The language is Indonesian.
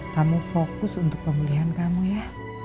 kamu fokus untuk pemulihan kamu ya